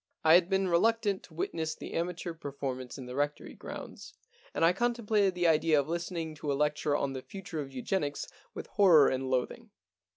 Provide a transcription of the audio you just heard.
I had been reluctant to witness the amateur per formance in the Rectory grounds, and I con templated the idea of listening to a lecture on " The Future of Eugenics " with horror and loathing.